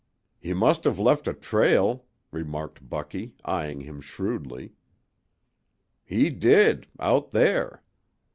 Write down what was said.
"He must have left a trail," remarked Bucky, eying him shrewdly. "He did out there!"